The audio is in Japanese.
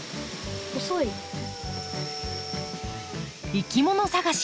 いきもの探し